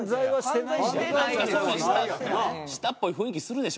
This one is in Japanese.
したっぽい雰囲気するでしょ？